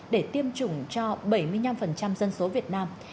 để tiêm chủng cho bảy mươi năm dân số việt nam